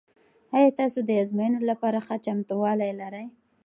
آیا تاسو د ازموینې لپاره ښه چمتووالی لرئ؟